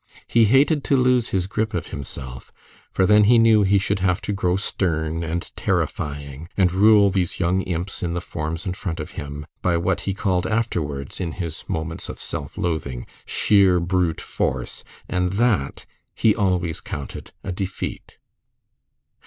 He hated to lose his grip of himself, for then he knew he should have to grow stern and terrifying, and rule these young imps in the forms in front of him by what he called afterwards, in his moments of self loathing, "sheer brute force," and that he always counted a defeat.